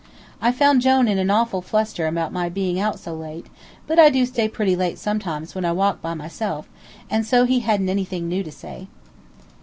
I found Jone in an awful fluster about my being out so late; but I do stay pretty late sometimes when I walk by myself, and so he hadn't anything new to say.